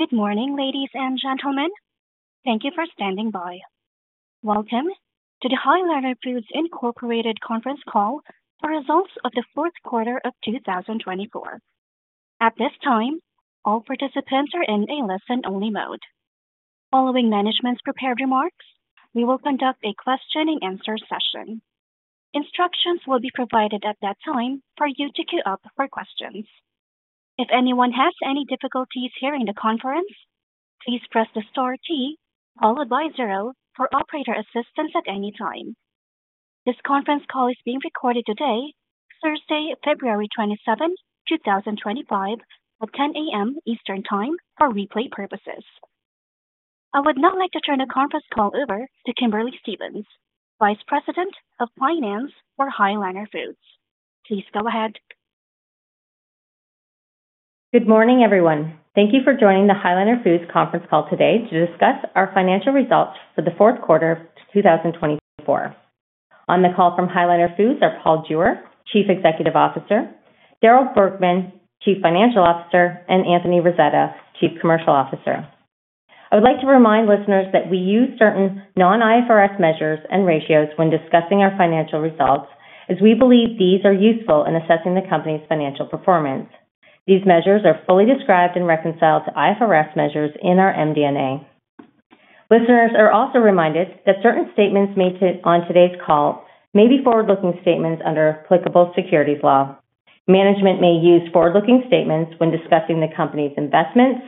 Good morning, ladies and gentlemen. Thank you for standing by. Welcome to the High Liner Foods Incorporated conference call for results of the Q4 of 2024. At this time, all participants are in a listen-only mode. Following management's prepared remarks, we will conduct a question-and-answer session. Instructions will be provided at that time for you to queue up for questions. If anyone has any difficulties hearing the conference, please press the star key followed by zero for operator assistance at any time. This conference call is being recorded today, Thursday, February 27, 2025, at 10:00 A.M. Eastern Time for replay purposes. I would now like to turn the conference call over to Kimberly Stephens, Vice President of Finance for High Liner Foods. Please go ahead. Good morning, everyone. Thank you for joining the High Liner Foods conference call today to discuss our financial results for the Q4 of 2024. On the call from High Liner Foods are Paul Jewer, Chief Executive Officer, Darryl Bergman, Chief Financial Officer, and Anthony Rasetta, Chief Commercial Officer. I would like to remind listeners that we use certain non-IFRS measures and ratios when discussing our financial results, as we believe these are useful in assessing the company's financial performance. These measures are fully described and reconciled to IFRS measures in our MD&A. Listeners are also reminded that certain statements made on today's call may be forward-looking statements under applicable securities law. Management may use forward-looking statements when discussing the company's investments,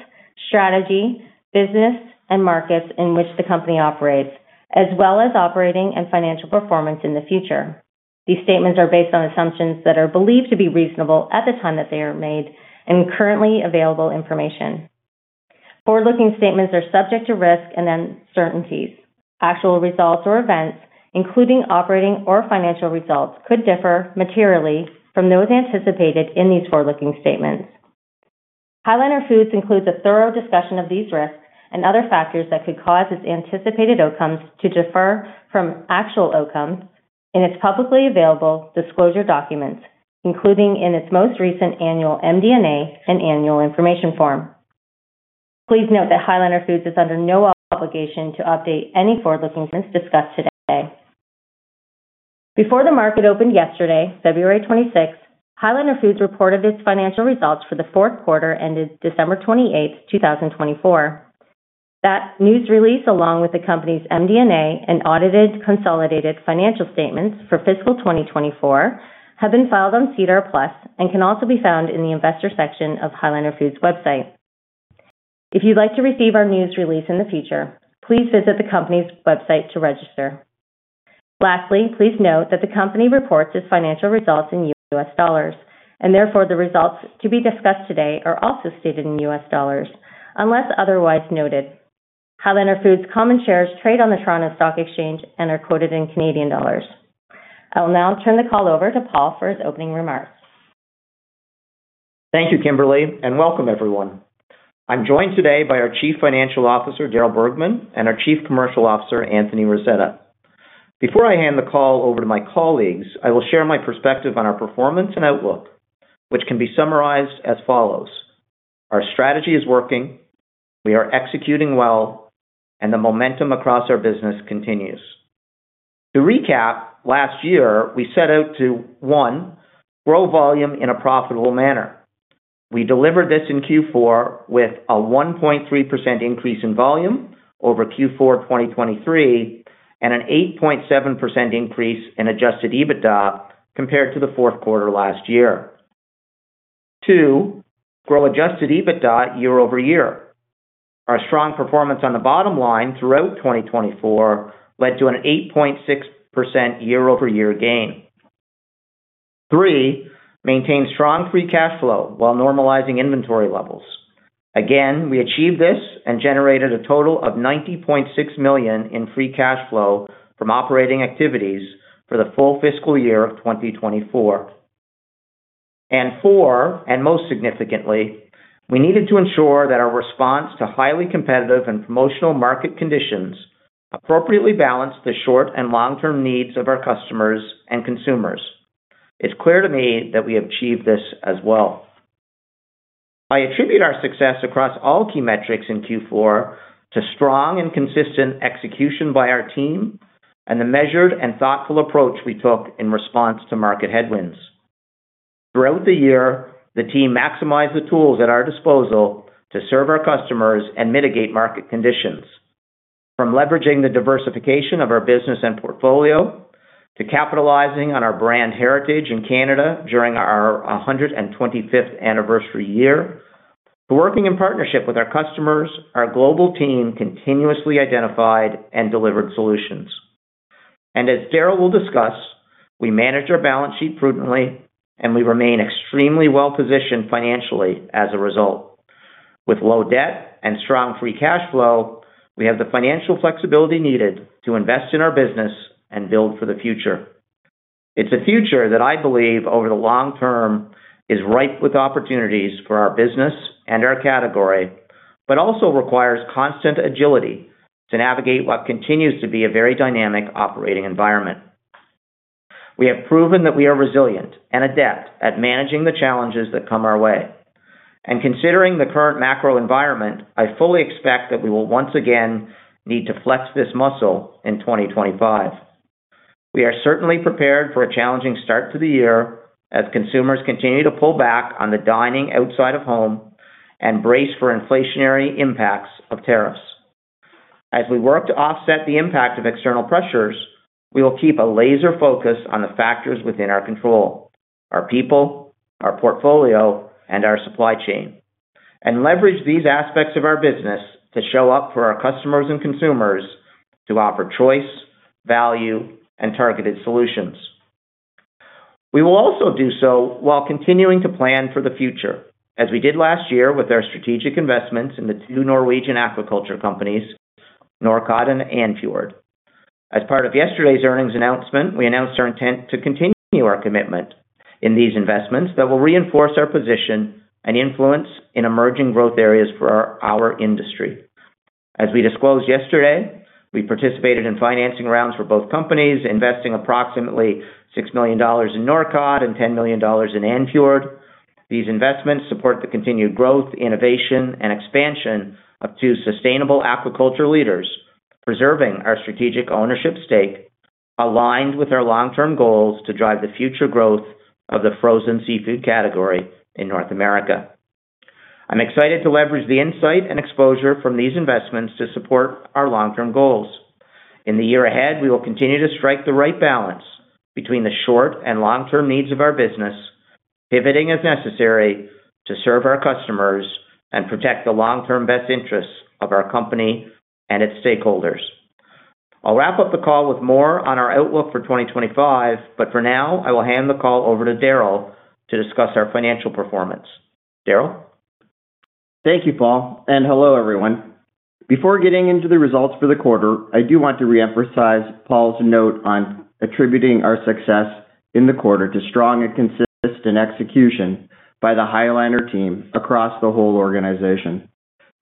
strategy, business, and markets in which the company operates, as well as operating and financial performance in the future. These statements are based on assumptions that are believed to be reasonable at the time that they are made and currently available information. Forward-looking statements are subject to risk and uncertainties. Actual results or events, including operating or financial results, could differ materially from those anticipated in these forward-looking statements. High Liner Foods includes a thorough discussion of these risks and other factors that could cause its anticipated outcomes to differ from actual outcomes in its publicly available disclosure documents, including in its most recent annual MD&A and Annual Information Form. Please note that High Liner Foods is under no obligation to update any forward-looking statements discussed today. Before the market opened yesterday, February 26, High Liner Foods reported its financial results for the Q4 ended December 28, 2024. That news release, along with the company's MD&A and audited consolidated financial statements for fiscal 2024, have been filed on SEDAR+ and can also be found in the investor section of High Liner Foods' website. If you'd like to receive our news release in the future, please visit the company's website to register. Lastly, please note that the company reports its financial results in U.S. dollars, and therefore the results to be discussed today are also stated in U.S. dollars unless otherwise noted. High Liner Foods' common shares trade on the Toronto Stock Exchange and are quoted in Canadian dollars. I will now turn the call over to Paul for his opening remarks. Thank you, Kimberly, and welcome, everyone. I'm joined today by our Chief Financial Officer, Darryl Bergman, and our Chief Commercial Officer, Anthony Rasetta. Before I hand the call over to my colleagues, I will share my perspective on our performance and outlook, which can be summarized as follows: our strategy is working, we are executing well, and the momentum across our business continues. To recap, last year we set out to, one, grow volume in a profitable manner. We delivered this in Q4 with a 1.3% increase in volume over Q4 2023 and an 8.7% increase in adjusted EBITDA compared to the Q4 last year. Two, grow adjusted EBITDA year-over-year. Our strong performance on the bottom line throughout 2024 led to an 8.6% year-over-year gain. Three, maintain strong free cash flow while normalizing inventory levels. Again, we achieved this and generated a total of $90.6 million in free cash flow from operating activities for the full fiscal year of 2024. Fourth, and most significantly, we needed to ensure that our response to highly competitive and promotional market conditions appropriately balanced the short- and long-term needs of our customers and consumers. It's clear to me that we have achieved this as well. I attribute our success across all key metrics in Q4 to strong and consistent execution by our team and the measured and thoughtful approach we took in response to market headwinds. Throughout the year, the team maximized the tools at our disposal to serve our customers and mitigate market conditions. From leveraging the diversification of our business and portfolio to capitalizing on our brand heritage in Canada during our 125th anniversary year, to working in partnership with our customers, our global team continuously identified and delivered solutions. And as Darryl will discuss, we manage our balance sheet prudently, and we remain extremely well-positioned financially as a result. With low debt and strong free cash flow, we have the financial flexibility needed to invest in our business and build for the future. It's a future that I believe, over the long term, is ripe with opportunities for our business and our category, but also requires constant agility to navigate what continues to be a very dynamic operating environment. We have proven that we are resilient and adept at managing the challenges that come our way. Considering the current macro environment, I fully expect that we will once again need to flex this muscle in 2025. We are certainly prepared for a challenging start to the year as consumers continue to pull back on the dining outside of home and brace for inflationary impacts of tariffs. As we work to offset the impact of external pressures, we will keep a laser focus on the factors within our control: our people, our portfolio, and our supply chain. Leverage these aspects of our business to show up for our customers and consumers to offer choice, value, and targeted solutions. We will also do so while continuing to plan for the future, as we did last year with our strategic investments in the two Norwegian aquaculture companies, Norcod and Andfjord. As part of yesterday's earnings announcement, we announced our intent to continue our commitment in these investments that will reinforce our position and influence in emerging growth areas for our industry. As we disclosed yesterday, we participated in financing rounds for both companies, investing approximately $6 million in Norcod and $10 million in Andfjord. These investments support the continued growth, innovation, and expansion of two sustainable aquaculture leaders, preserving our strategic ownership stake, aligned with our long-term goals to drive the future growth of the frozen seafood category in North America. I'm excited to leverage the insight and exposure from these investments to support our long-term goals. In the year ahead, we will continue to strike the right balance between the short and long-term needs of our business, pivoting as necessary to serve our customers and protect the long-term best interests of our company and its stakeholders. I'll wrap up the call with more on our outlook for 2025, but for now, I will hand the call over to Darryl to discuss our financial performance. Darryl? Thank you, Paul, and hello, everyone. Before getting into the results for the quarter, I do want to re-emphasize Paul's note on attributing our success in the quarter to strong and consistent execution by the High Liner team across the whole organization.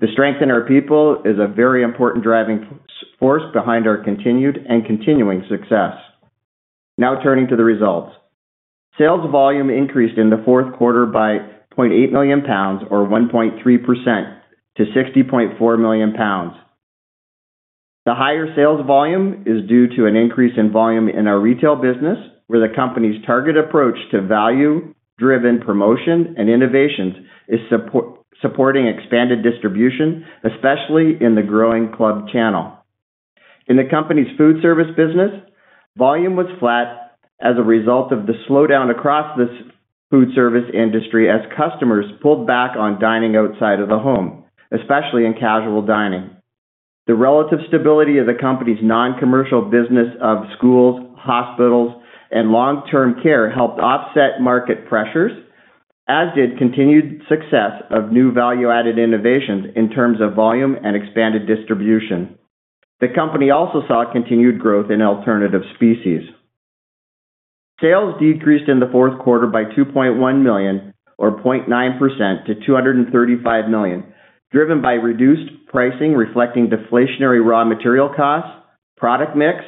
The strength in our people is a very important driving force behind our continued and continuing success. Now turning to the results. Sales volume increased in the Q4 by 0.8 million lbs, or 1.3%, to 60.4 million lbs. The higher sales volume is due to an increase in volume in our retail business, where the company's target approach to value-driven promotion and innovations is supporting expanded distribution, especially in the growing club channel. In the company's foodservice business, volume was flat as a result of the slowdown across the foodservice industry as customers pulled back on dining outside of the home, especially in casual dining. The relative stability of the company's non-commercial business of schools, hospitals, and long-term care helped offset market pressures, as did continued success of new value-added innovations in terms of volume and expanded distribution. The company also saw continued growth in alternative species. Sales decreased in the Q4 by $2.1 million, or 0.9%, to $235 million, driven by reduced pricing reflecting deflationary raw material costs, product mix,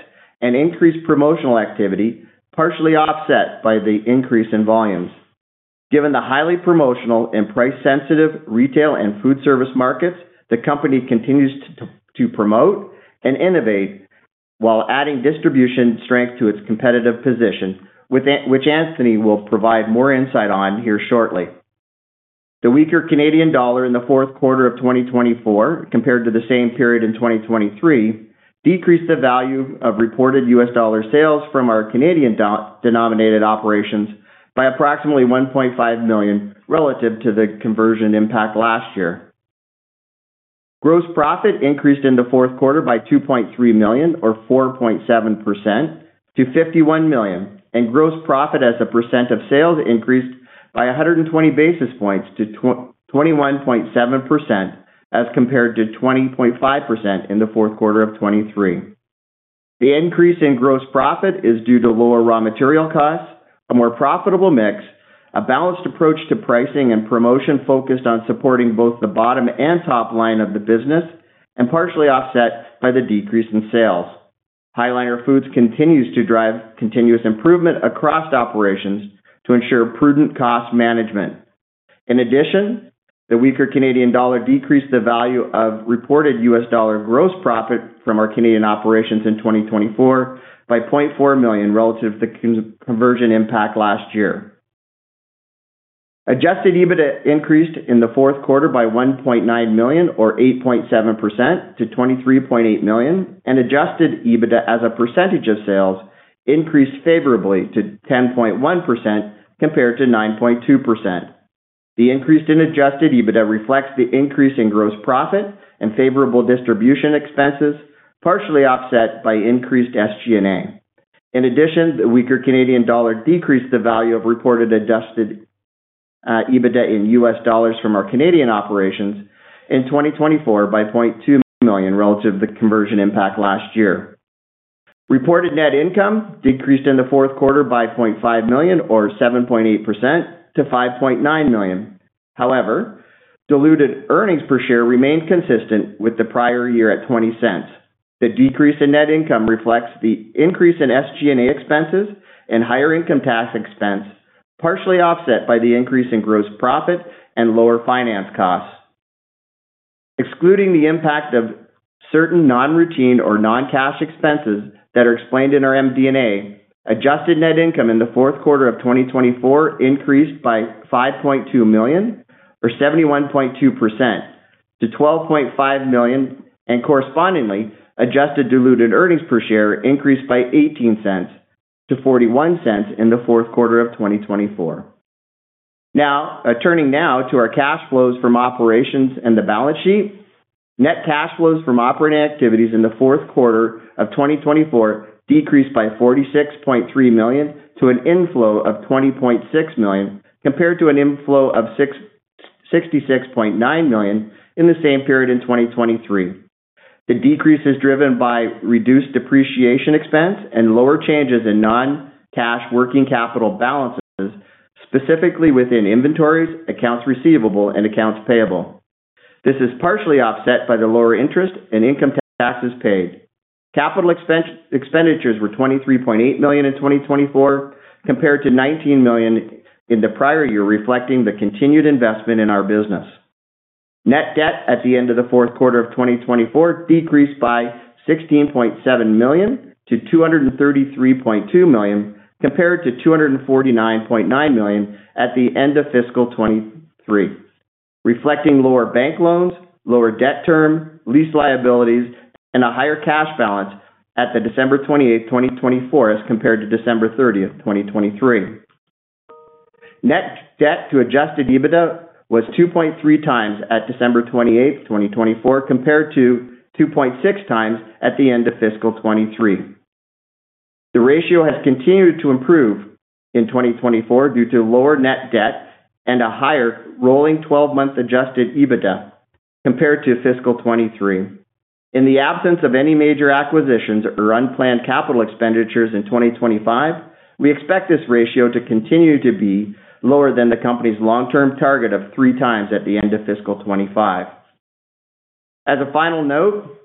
and increased promotional activity, partially offset by the increase in volumes. Given the highly promotional and price-sensitive retail and foodservice markets, the company continues to promote and innovate while adding distribution strength to its competitive position, which Anthony will provide more insight on here shortly. The weaker Canadian dollar in the Q4 of 2024, compared to the same period in 2023, decreased the value of reported U.S. Dollar sales from our Canadian-denominated operations by approximately $1.5 million relative to the conversion impact last year. Gross profit increased in the Q4 by $2.3 million, or 4.7%, to $51 million, and gross profit as a percent of sales increased by 120 basis points to 21.7% as compared to 20.5% in the Q4 of 2023. The increase in gross profit is due to lower raw material costs, a more profitable mix, a balanced approach to pricing and promotion focused on supporting both the bottom and top line of the business, and partially offset by the decrease in sales. High Liner Foods continues to drive continuous improvement across operations to ensure prudent cost management. In addition, the weaker Canadian dollar decreased the value of reported U.S. dollar gross profit from our Canadian operations in 2024 by $0.4 million relative to the conversion impact last year. Adjusted EBITDA increased in the Q4 by $1.9 million, or 8.7%, to $23.8 million, and adjusted EBITDA as a percentage of sales increased favorably to 10.1% compared to 9.2%. The increase in adjusted EBITDA reflects the increase in gross profit and favorable distribution expenses, partially offset by increased SG&A. In addition, the weaker Canadian dollar decreased the value of reported adjusted EBITDA in U.S. dollars from our Canadian operations in 2024 by $0.2 million relative to the conversion impact last year. Reported net income decreased in the Q4 by $0.5 million, or 7.8%, to $5.9 million. However, diluted earnings per share remained consistent with the prior year at $0.20. The decrease in net income reflects the increase in SG&A expenses and higher income tax expense, partially offset by the increase in gross profit and lower finance costs. Excluding the impact of certain non-routine or non-cash expenses that are explained in our MD&A, adjusted net income in the Q4 of 2024 increased by $5.2 million, or 71.2%, to $12.5 million, and correspondingly, adjusted diluted earnings per share increased by $0.18 to 0.41 in the Q4 of 2024. Now, turning to our cash flows from operations and the balance sheet, net cash flows from operating activities in the Q4 of 2024 decreased by $46.3 million to an inflow of $20.6 million compared to an inflow of $66.9 million in the same period in 2023. The decrease is driven by reduced depreciation expense and lower changes in non-cash working capital balances, specifically within inventories, accounts receivable, and accounts payable. This is partially offset by the lower interest and income taxes paid. Capital expenditures were $23.8 million in 2024 compared to $19 million in the prior year, reflecting the continued investment in our business. Net debt at the end of the Q4 of 2024 decreased by $16.7 million to $233.2 million compared to $249.9 million at the end of fiscal 2023, reflecting lower bank loans, lower debt term, lease liabilities, and a higher cash balance at the December 28th, 2024, as compared to December 30th, 2023. Net debt to adjusted EBITDA was 2.3 times at December 28th, 2024, compared to 2.6 times at the end of fiscal 2023. The ratio has continued to improve in 2024 due to lower net debt and a higher rolling 12-month adjusted EBITDA compared to fiscal 2023. In the absence of any major acquisitions or unplanned capital expenditures in 2025, we expect this ratio to continue to be lower than the company's long-term target of three times at the end of fiscal 2025. As a final note,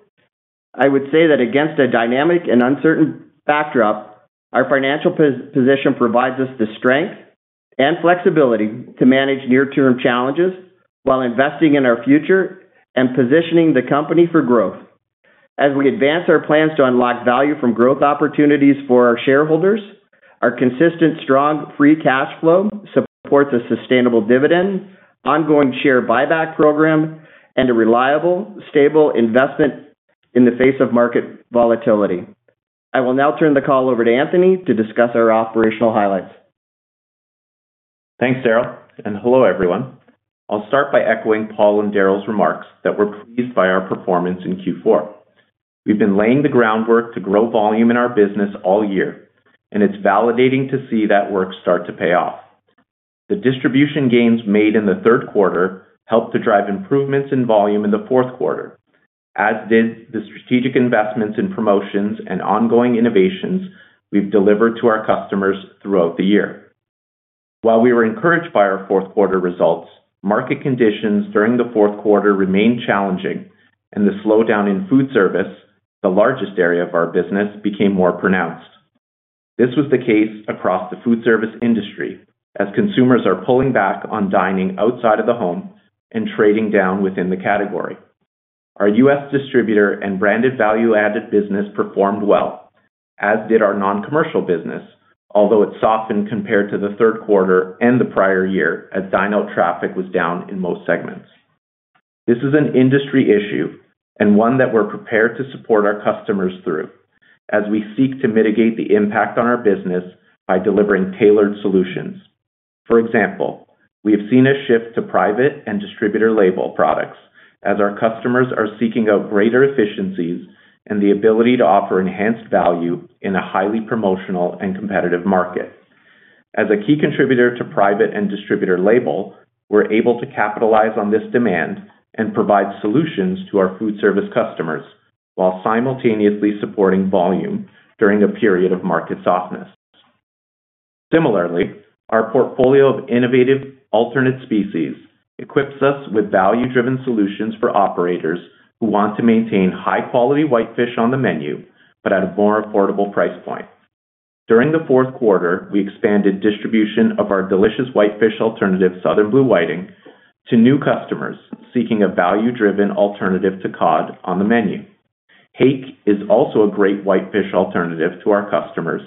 I would say that against a dynamic and uncertain backdrop, our financial position provides us the strength and flexibility to manage near-term challenges while investing in our future and positioning the company for growth. As we advance our plans to unlock value from growth opportunities for our shareholders, our consistent, strong free cash flow supports a sustainable dividend, ongoing share buyback program, and a reliable, stable investment in the face of market volatility. I will now turn the call over to Anthony to discuss our operational highlights. Thanks, Darryl, and hello, everyone. I'll start by echoing Paul and Darryl's remarks that we're pleased by our performance in Q4. We've been laying the groundwork to grow volume in our business all year, and it's validating to see that work start to pay off. The distribution gains made in the Q3 helped to drive improvements in volume in the Q4, as did the strategic investments in promotions and ongoing innovations we've delivered to our customers throughout the year. While we were encouraged by our fourth-quarter results, market conditions during the Q4 remained challenging, and the slowdown in food service, the largest area of our business, became more pronounced. This was the case across the food service industry, as consumers are pulling back on dining outside of the home and trading down within the category. Our U.S. distributor and branded value-added business performed well, as did our non-commercial business, although it softened compared to the Q3 and the prior year as dine-out traffic was down in most segments. This is an industry issue and one that we're prepared to support our customers through, as we seek to mitigate the impact on our business by delivering tailored solutions. For example, we have seen a shift to private and distributor label products, as our customers are seeking out greater efficiencies and the ability to offer enhanced value in a highly promotional and competitive market. As a key contributor to private and distributor label, we're able to capitalize on this demand and provide solutions to our food service customers while simultaneously supporting volume during a period of market softness. Similarly, our portfolio of innovative alternate species equips us with value-driven solutions for operators who want to maintain high-quality whitefish on the menu but at a more affordable price point. During the Q4, we expanded distribution of our delicious whitefish alternative, Southern blue whiting, to new customers seeking a value-driven alternative to cod on the menu. hake is also a great whitefish alternative to our customers,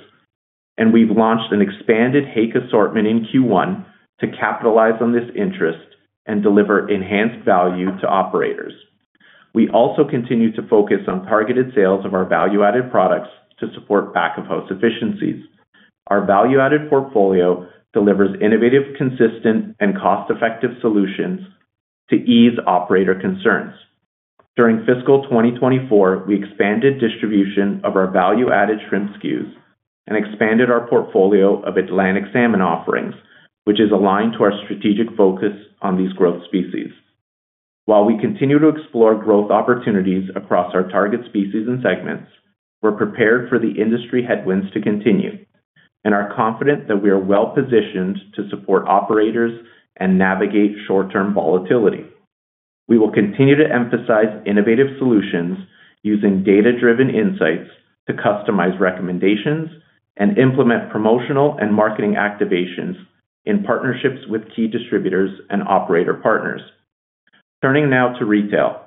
and we've launched an expanded hake assortment in Q1 to capitalize on this interest and deliver enhanced value to operators. We also continue to focus on targeted sales of our value-added products to support back-of-host efficiencies. Our value-added portfolio delivers innovative, consistent, and cost-effective solutions to ease operator concerns. During fiscal 2024, we expanded distribution of our value-added shrimp SKUs and expanded our portfolio of Atlantic salmon offerings, which is aligned to our strategic focus on these growth species. While we continue to explore growth opportunities across our target species and segments, we're prepared for the industry headwinds to continue, and are confident that we are well-positioned to support operators and navigate short-term volatility. We will continue to emphasize innovative solutions using data-driven insights to customize recommendations and implement promotional and marketing activations in partnerships with key distributors and operator partners. Turning now to retail.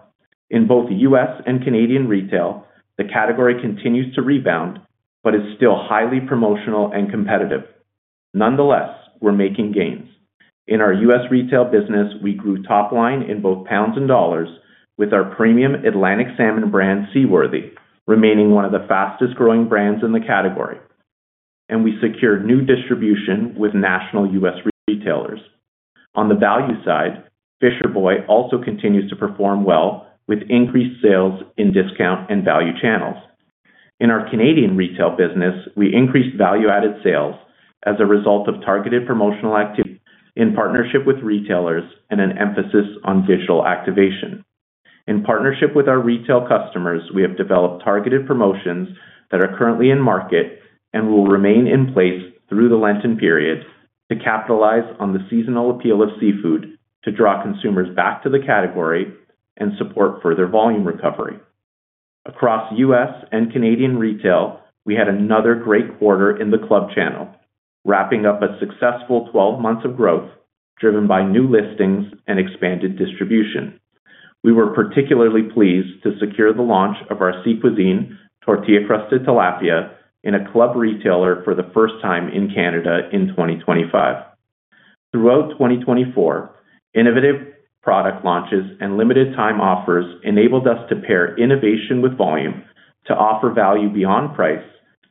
In both U.S. and Canadian retail, the category continues to rebound but is still highly promotional and competitive. Nonetheless, we're making gains. In our U.S. retail business, we grew top line in both pounds and dollars with our premium Atlantic salmon brand, Seaworthy, remaining one of the fastest-growing brands in the category, and we secured new distribution with national U.S. retailers. On the value side, Fisher Boy also continues to perform well with increased sales in discount and value channels. In our Canadian retail business, we increased value-added sales as a result of targeted promotional activity in partnership with retailers and an emphasis on digital activation. In partnership with our retail customers, we have developed targeted promotions that are currently in market and will remain in place through the Lenten period to capitalize on the seasonal appeal of seafood to draw consumers back to the category and support further volume recovery. Across U.S. and Canadian retail, we had another great quarter in the club channel, wrapping up a successful 12 months of growth driven by new listings and expanded distribution. We were particularly pleased to secure the launch of our Sea Cuisine Tortilla Crusted Tilapia in a club retailer for the first time in Canada in 2025. Throughout 2024, innovative product launches and limited-time offers enabled us to pair innovation with volume to offer value beyond price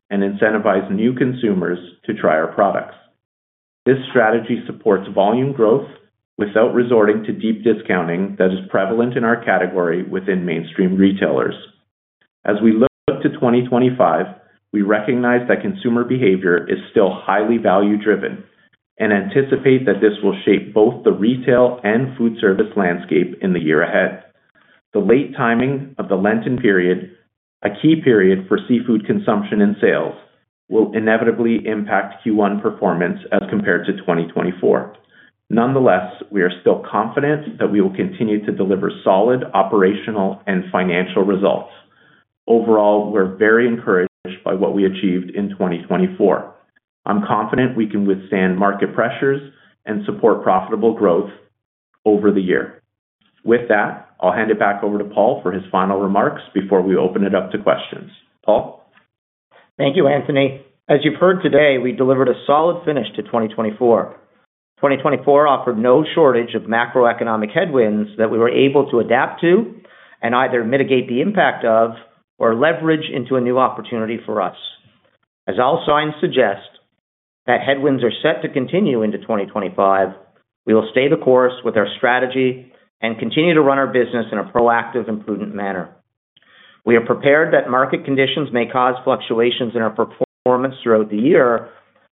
and incentivize new consumers to try our products. This strategy supports volume growth without resorting to deep discounting that is prevalent in our category within mainstream retailers. As we look to 2025, we recognize that consumer behavior is still highly value-driven and anticipate that this will shape both the retail and food service landscape in the year ahead. The late timing of the Lenten period, a key period for seafood consumption and sales, will inevitably impact Q1 performance as compared to 2024. Nonetheless, we are still confident that we will continue to deliver solid operational and financial results. Overall, we're very encouraged by what we achieved in 2024. I'm confident we can withstand market pressures and support profitable growth over the year. With that, I'll hand it back over to Paul for his final remarks before we open it up to questions. Paul? Thank you, Anthony. As you've heard today, we delivered a solid finish to 2024. 2024 offered no shortage of macroeconomic headwinds that we were able to adapt to and either mitigate the impact of or leverage into a new opportunity for us. As all signs suggest that headwinds are set to continue into 2025, we will stay the course with our strategy and continue to run our business in a proactive and prudent manner. We are prepared that market conditions may cause fluctuations in our performance throughout the year,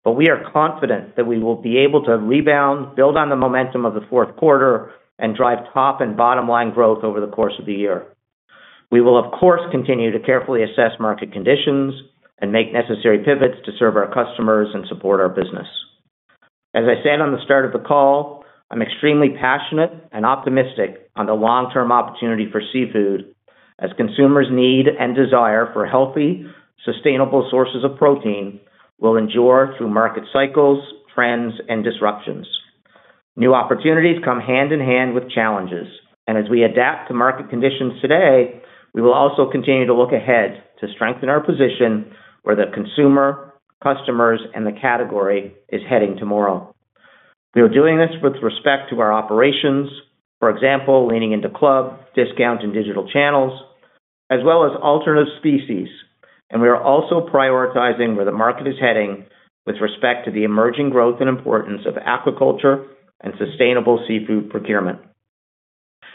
but we are confident that we will be able to rebound, build on the momentum of the Q4, and drive top and bottom-line growth over the course of the year. We will, of course, continue to carefully assess market conditions and make necessary pivots to serve our customers and support our business. As I said on the start of the call, I'm extremely passionate and optimistic on the long-term opportunity for seafood, as consumers' need and desire for healthy, sustainable sources of protein will endure through market cycles, trends, and disruptions. New opportunities come hand in hand with challenges, and as we adapt to market conditions today, we will also continue to look ahead to strengthen our position where the consumer, customers, and the category is heading tomorrow. We are doing this with respect to our operations, for example, leaning into club, discount, and digital channels, as well as alternative species, and we are also prioritizing where the market is heading with respect to the emerging growth and importance of aquaculture and sustainable seafood procurement.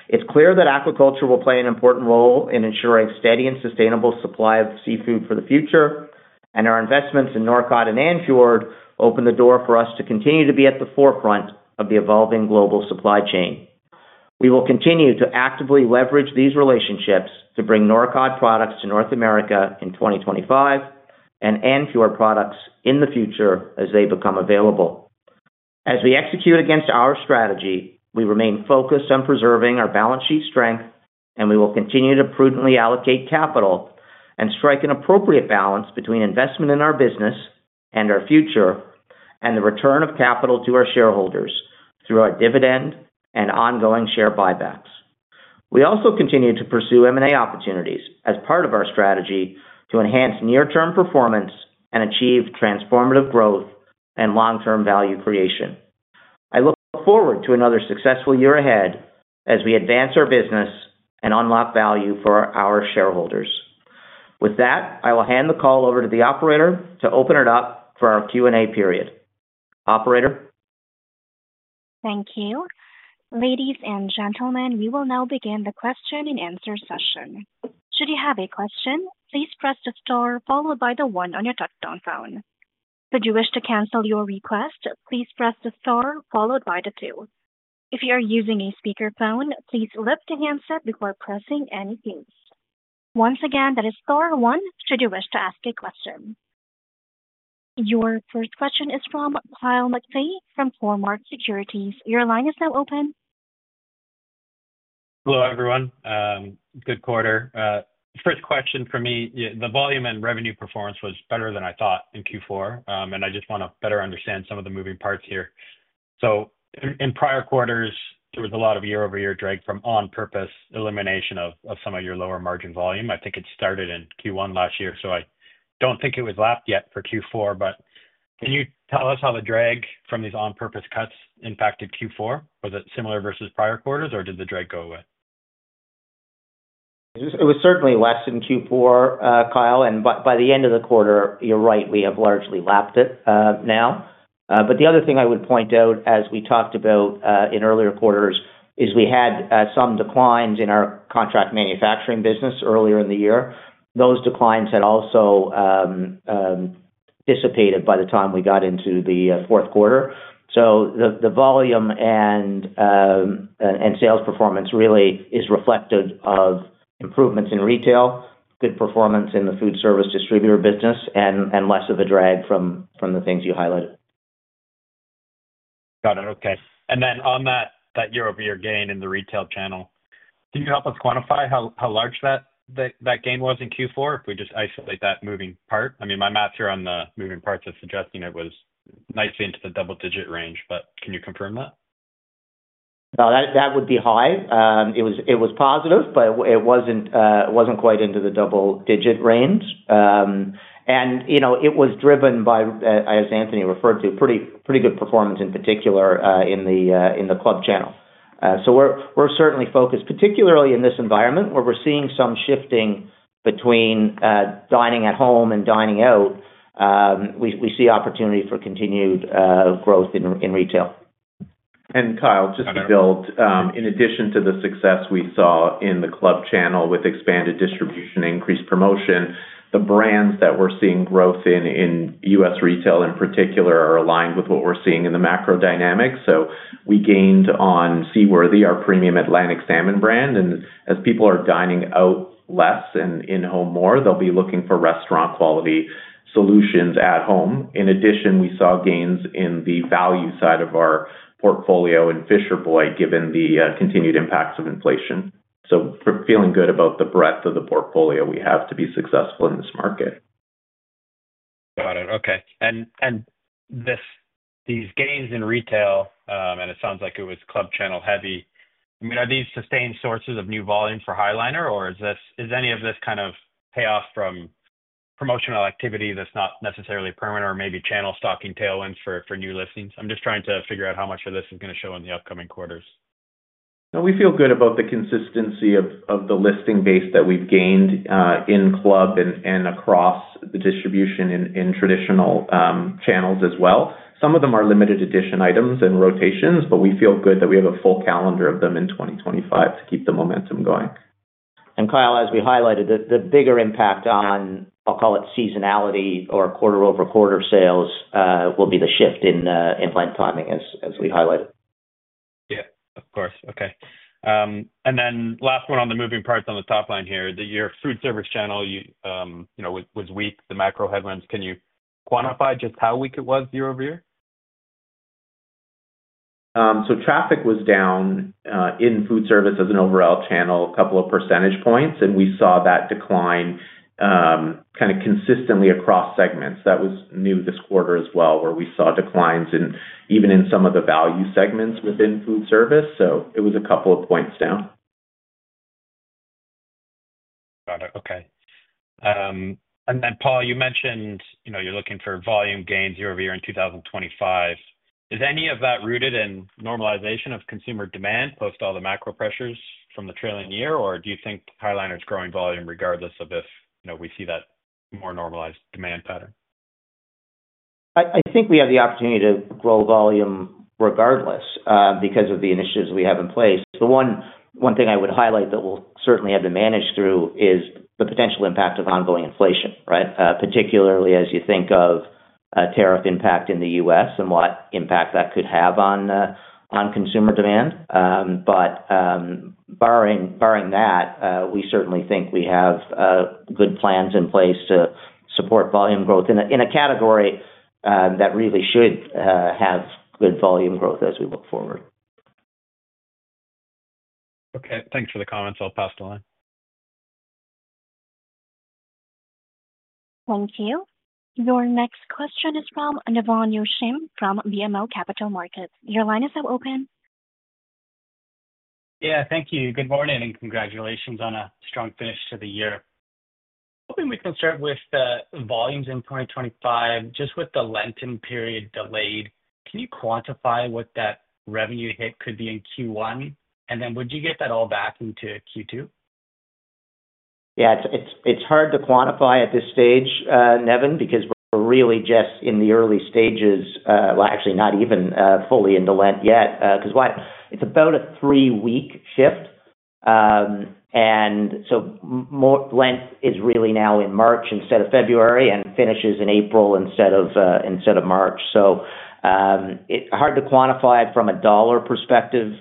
It's clear that aquaculture will play an important role in ensuring a steady and sustainable supply of seafood for the future, and our investments in Norcod and Andfjord open the door for us to continue to be at the forefront of the evolving global supply chain. We will continue to actively leverage these relationships to bring Norcod products to North America in 2025 and Andfjord products in the future as they become available. As we execute against our strategy, we remain focused on preserving our balance sheet strength, and we will continue to prudently allocate capital and strike an appropriate balance between investment in our business and our future and the return of capital to our shareholders through our dividend and ongoing share buybacks. We also continue to pursue M&A opportunities as part of our strategy to enhance near-term performance and achieve transformative growth and long-term value creation. I look forward to another successful year ahead as we advance our business and unlock value for our shareholders. With that, I will hand the call over to the operator to open it up for our Q&A period. Operator? Thank you. Ladies and gentlemen, we will now begin the question-and-answer session. Should you have a question, please press the star followed by the one on your touch-tone phone. Should you wish to cancel your request, please press the star followed by the two. If you are using a speakerphone, please lift the handset before pressing anything. Once again, that is star one should you wish to ask a question. Your first question is from Kyle McPhee from Cormark Securities. Your line is now open. Hello, everyone. Good quarter. First question for me, the volume and revenue performance was better than I thought in Q4, and I just want to better understand some of the moving parts here. So in prior quarters, there was a lot of year-over-year drag from on-purpose elimination of some of your lower margin volume. I think it started in Q1 last year, so I don't think it was lapped yet for Q4, but can you tell us how the drag from these on-purpose cuts impacted Q4? Was it similar versus prior quarters, or did the drag go away? It was certainly less in Q4, Kyle, and by the end of the quarter, you're right, we have largely lapped it now. But the other thing I would point out, as we talked about in earlier quarters, is we had some declines in our contract manufacturing business earlier in the year. Those declines had also dissipated by the time we got into the Q4. So the volume and sales performance really is reflective of improvements in retail, good performance in the food service distributor business, and less of a drag from the things you highlighted. Got it. Okay. And then on that year-over-year gain in the retail channel, can you help us quantify how large that gain was in Q4 if we just isolate that moving part? I mean, my math here on the moving parts is suggesting it was nicely into the double-digit range, but can you confirm that? No, that would be high. It was positive, but it wasn't quite into the double-digit range. And it was driven by, as Anthony referred to, pretty good performance in particular in the club channel. So we're certainly focused, particularly in this environment where we're seeing some shifting between dining at home and dining out. We see opportunity for continued growth in retail. And Kyle, just to build, in addition to the success we saw in the club channel with expanded distribution and increased promotion, the brands that we're seeing growth in, in U.S. retail in particular, are aligned with what we're seeing in the macro dynamics, so we gained on Seaworthy, our premium Atlantic salmon brand, and as people are dining out less and in-home more, they'll be looking for restaurant-quality solutions at home. In addition, we saw gains in the value side of our portfolio in Fisher Boy given the continued impacts of inflation, so feeling good about the breadth of the portfolio we have to be successful in this market. Got it. Okay. These gains in retail, and it sounds like it was club channel heavy, I mean, are these sustained sources of new volume for High Liner, or is any of this kind of payoff from promotional activity that's not necessarily permanent or maybe channel stocking tailwinds for new listings? I'm just trying to figure out how much of this is going to show in the upcoming quarters. No, we feel good about the consistency of the listing base that we've gained in club and across the distribution in traditional channels as well. Some of them are limited-edition items and rotations, but we feel good that we have a full calendar of them in 2025 to keep the momentum going. And Kyle, as we highlighted, the bigger impact on, I'll call it, seasonality or quarter-over-quarter sales will be the shift in Lent timing, as we highlighted. Yeah, of course. Okay. And then last one on the moving parts on the top line here, your food service channel was weak, the macro headwinds. Can you quantify just how weak it was year-over-year? So traffic was down in food service as an overall channel a couple of percentage points, and we saw that decline kind of consistently across segments. That was new this quarter as well, where we saw declines even in some of the value segments within food service. So it was a couple of points down. Got it. Okay. And then, Paul, you mentioned you're looking for volume gains year-over-year in 2025. Is any of that rooted in normalization of consumer demand post all the macro pressures from the trailing year, or do you think High Liner's growing volume regardless of if we see that more normalized demand pattern? I think we have the opportunity to grow volume regardless because of the initiatives we have in place. The one thing I would highlight that we'll certainly have to manage through is the potential impact of ongoing inflation, right, particularly as you think of tariff impact in the U.S. and what impact that could have on consumer demand. But barring that, we certainly think we have good plans in place to support volume growth in a category that really should have good volume growth as we look forward. Okay. Thanks for the comments. I'll pass the line. Thank you. Your next question is from Nevin Rochon from Canaccord Genuity. Your line is now open. Yeah, thank you. Good morning and congratulations on a strong finish to the year. Hoping we can start with volumes in 2025. Just with the Lenten period delayed, can you quantify what that revenue hit could be in Q1, and then would you get that all back into Q2? Yeah, it's hard to quantify at this stage, Nevin, because we're really just in the early stages. Well, actually not even fully into Lent yet, because it's about a three-week shift, and so Lent is really now in March instead of February and finishes in April instead of March, so hard to quantify it from a dollar perspective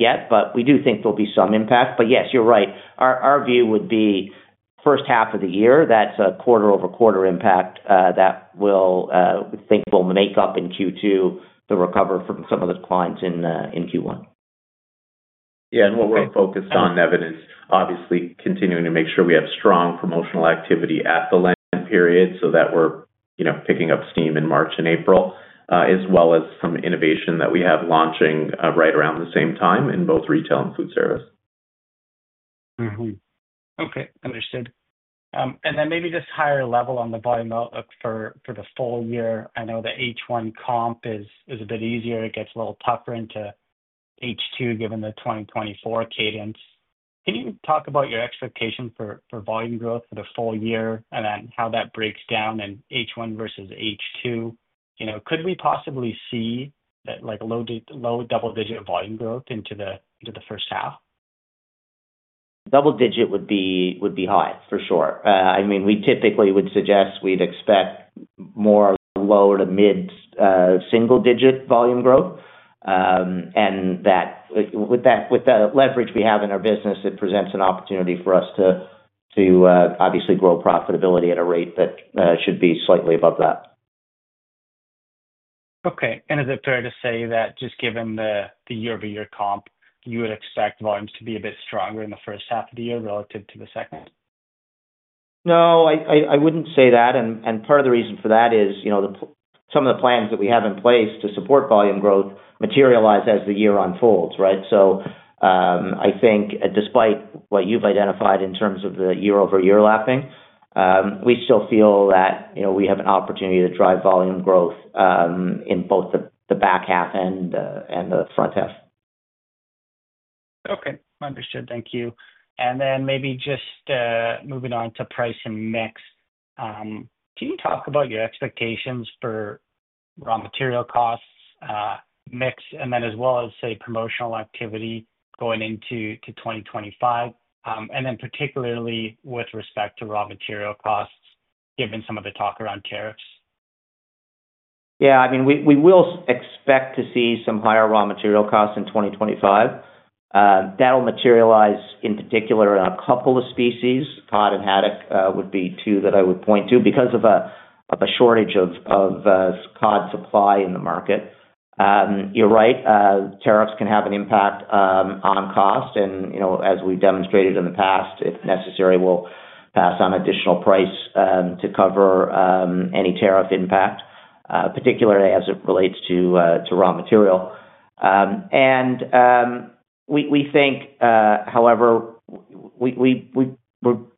yet, but we do think there'll be some impact, but yes, you're right. Our view would be first half of the year, that's a quarter-over-quarter impact that we think will make up in Q2 to recover from some of the declines in Q1. Yeah. And what we're focused on, Evan, is obviously continuing to make sure we have strong promotional activity at the Lenten period so that we're picking up steam in March and April, as well as some innovation that we have launching right around the same time in both retail and food service. Okay. Understood. And then maybe just higher level on the volume outlook for the full year. I know the H1 comp is a bit easier. It gets a little tougher into H2 given the 2024 cadence. Can you talk about your expectation for volume growth for the full year and then how that breaks down in H1 versus H2? Could we possibly see low double-digit volume growth into the first half? Double-digit would be high, for sure. I mean, we typically would suggest we'd expect more low to mid single-digit volume growth. And with the leverage we have in our business, it presents an opportunity for us to obviously grow profitability at a rate that should be slightly above that. Okay, and is it fair to say that just given the year-over-year comp, you would expect volumes to be a bit stronger in the first half of the year relative to the second? No, I wouldn't say that, and part of the reason for that is some of the plans that we have in place to support volume growth materialize as the year unfolds, right, so I think despite what you've identified in terms of the year-over-year lapping, we still feel that we have an opportunity to drive volume growth in both the back half and the front half. Okay. Understood. Thank you. And then maybe just moving on to price and mix, can you talk about your expectations for raw material costs, mix, and then as well as, say, promotional activity going into 2025? And then particularly with respect to raw material costs, given some of the talk around tariffs. Yeah. I mean, we will expect to see some higher raw material costs in 2025. That'll materialize in particular in a couple of species. Cod and haddock would be two that I would point to because of a shortage of cod supply in the market. You're right. Tariffs can have an impact on cost. And as we've demonstrated in the past, if necessary, we'll pass on additional price to cover any tariff impact, particularly as it relates to raw material, and we think, however, we're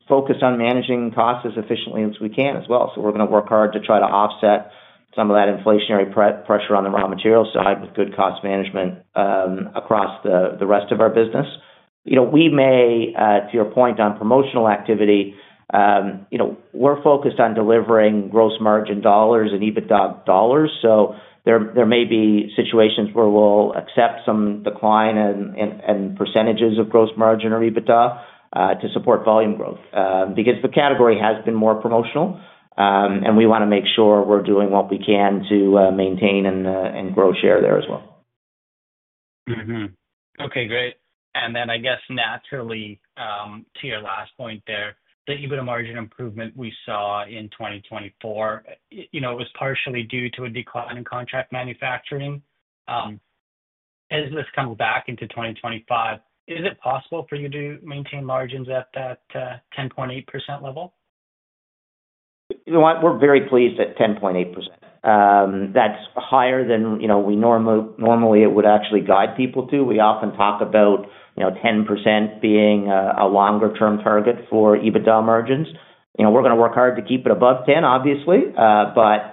focused on managing costs as efficiently as we can as well, so we're going to work hard to try to offset some of that inflationary pressure on the raw material side with good cost management across the rest of our business. We may, to your point on promotional activity, we're focused on delivering gross margin dollars and EBITDA dollars. So there may be situations where we'll accept some decline in percentages of gross margin or EBITDA to support volume growth because the category has been more promotional, and we want to make sure we're doing what we can to maintain and grow share there as well. Okay. Great. And then I guess naturally to your last point there, the EBITDA margin improvement we saw in 2024. It was partially due to a decline in contract manufacturing. As this comes back into 2025, is it possible for you to maintain margins at that 10.8% level? You know what? We're very pleased at 10.8%. That's higher than we normally would actually guide people to. We often talk about 10% being a longer-term target for EBITDA margins. We're going to work hard to keep it above 10, obviously. But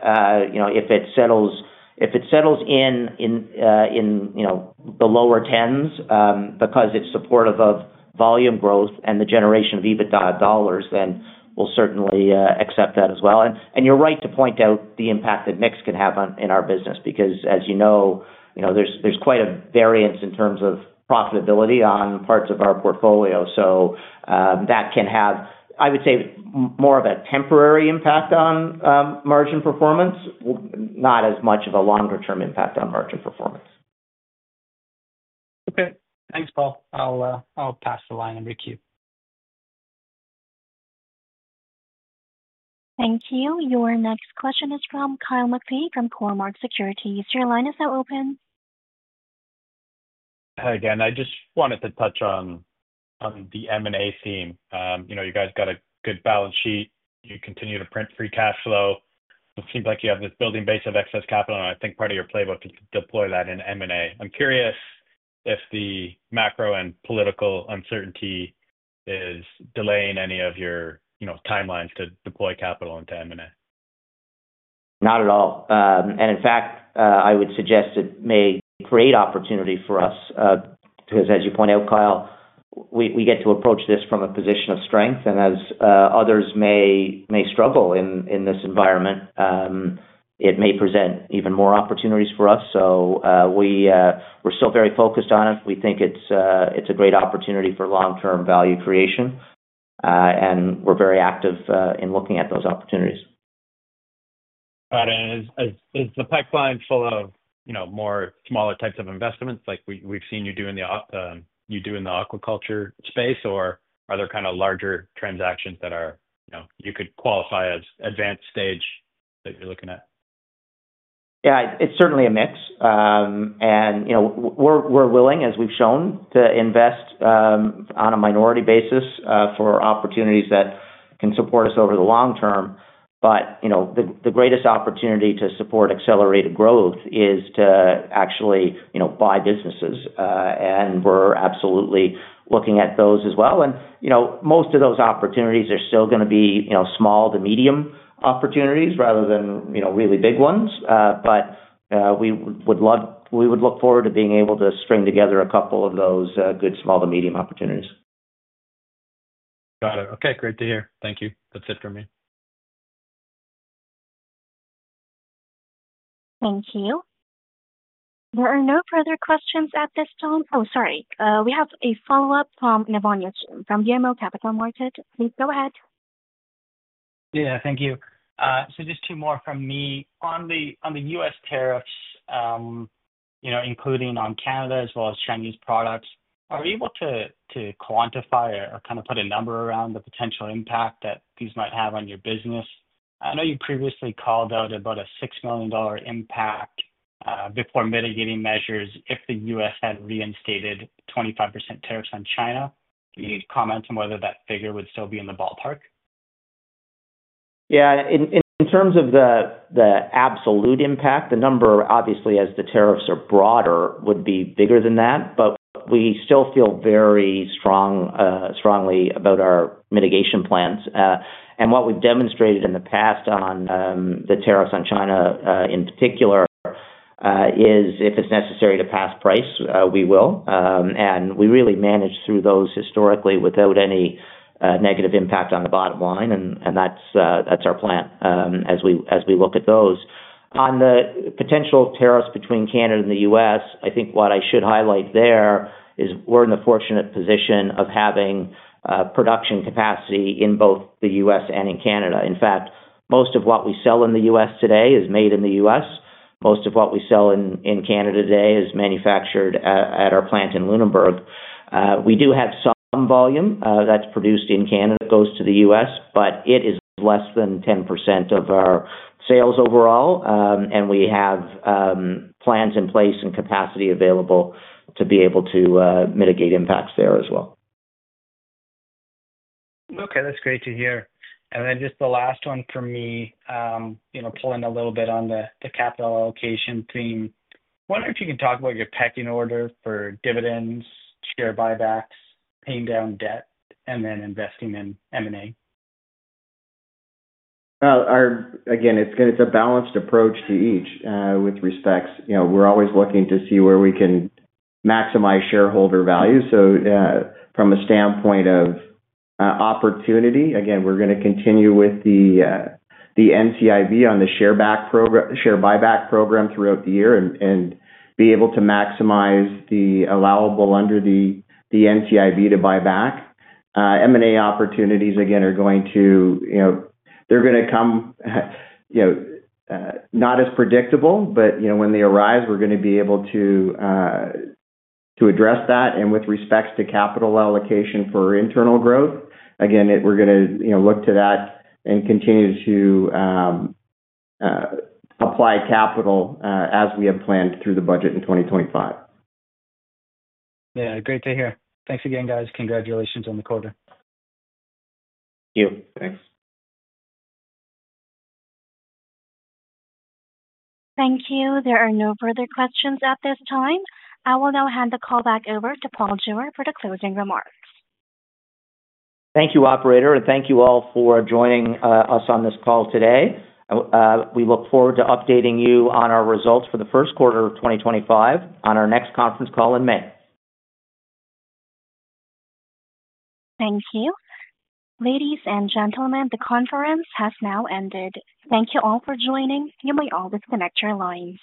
if it settles in the lower tens because it's supportive of volume growth and the generation of EBITDA dollars, then we'll certainly accept that as well. And you're right to point out the impact that mix can have in our business because, as you know, there's quite a variance in terms of profitability on parts of our portfolio. So that can have, I would say, more of a temporary impact on margin performance, not as much of a longer-term impact on margin performance. Okay. Thanks, Paul. I'll pass the line over to you. Thank you. Your next question is from Kyle McPhee from Cormark Securities. Your line is now open. Hi, Darryl. I just wanted to touch on the M&A theme. You guys got a good balance sheet. You continue to print free cash flow. It seems like you have this building base of excess capital, and I think part of your playbook is to deploy that in M&A. I'm curious if the macro and political uncertainty is delaying any of your timelines to deploy capital into M&A? Not at all. And in fact, I would suggest it may create opportunity for us because, as you point out, Kyle, we get to approach this from a position of strength. And as others may struggle in this environment, it may present even more opportunities for us. So we're still very focused on it. We think it's a great opportunity for long-term value creation, and we're very active in looking at those opportunities. Got it. And is the pipeline full of more smaller types of investments like we've seen you do in the aquaculture space, or are there kind of larger transactions that you could qualify as advanced stage that you're looking at? Yeah, it's certainly a mix. And we're willing, as we've shown, to invest on a minority basis for opportunities that can support us over the long term. But the greatest opportunity to support accelerated growth is to actually buy businesses. And we're absolutely looking at those as well. And most of those opportunities are still going to be small to medium opportunities rather than really big ones. But we would look forward to being able to string together a couple of those good small to medium opportunities. Got it. Okay. Great to hear. Thank you. That's it for me. Thank you. There are no further questions at this time. Oh, sorry. We have a follow-up from Nevin Rochon from Canaccord Genuity. Please go ahead. Yeah. Thank you. So just two more from me. On the U.S. tariffs, including on Canada as well as Chinese products, are you able to quantify or kind of put a number around the potential impact that these might have on your business? I know you previously called out about a $6 million impact before mitigating measures if the U.S. had reinstated 25% tariffs on China. Can you comment on whether that figure would still be in the ballpark? Yeah. In terms of the absolute impact, the number, obviously, as the tariffs are broader, would be bigger than that. But we still feel very strongly about our mitigation plans. And what we've demonstrated in the past on the tariffs on China in particular is if it's necessary to pass price, we will. And we really managed through those historically without any negative impact on the bottom line. And that's our plan as we look at those. On the potential tariffs between Canada and the U.S., I think what I should highlight there is we're in the fortunate position of having production capacity in both the U.S. and in Canada. In fact, most of what we sell in the U.S. today is made in the U.S. Most of what we sell in Canada today is manufactured at our plant in Lunenburg. We do have some volume that's produced in Canada that goes to the U.S., but it is less than 10% of our sales overall, and we have plans in place and capacity available to be able to mitigate impacts there as well. Okay. That's great to hear. And then just the last one for me, pulling a little bit on the capital allocation theme. I wonder if you can talk about your pecking order for dividends, share buybacks, paying down debt, and then investing in M&A. Again, it's a balanced approach to each with respect. We're always looking to see where we can maximize shareholder value. From a standpoint of opportunity, again, we're going to continue with the NCIB on the share buyback program throughout the year and be able to maximize the allowable under the NCIB to buy back. M&A opportunities, again, are going to come not as predictable, but when they arise, we're going to be able to address that. With respect to capital allocation for internal growth, again, we're going to look to that and continue to apply capital as we have planned through the budget in 2025. Yeah. Great to hear. Thanks again, guys. Congratulations on the quarter. Thank you. Thanks. Thank you. There are no further questions at this time. I will now hand the call back over to Paul Jewer for the closing remarks. Thank you, operator. And thank you all for joining us on this call today. We look forward to updating you on our results for the Q1 of 2025 on our next conference call in May. Thank you. Ladies and gentlemen, the conference has now ended. Thank you all for joining. You may now disconnect your lines.